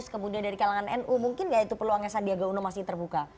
kemudian dari kalangan nu mungkin ya itu peluangnya sandiaga uno masih terbuka